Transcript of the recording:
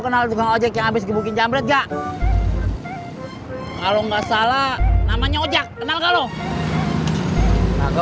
kalau enggak salah namanya ojak kenal kalau